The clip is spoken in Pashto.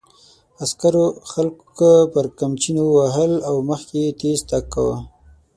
عسکرو خلک پر قمچینو وهل او مخکې یې تېز تګ کاوه.